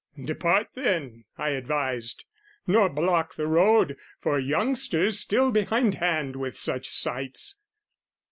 "Depart then," I advised, "nor block the road "For youngsters still behindhand with such sights!"